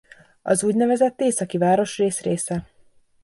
Az úgynevezett északi városrész része.